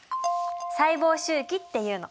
細胞周期っていうの。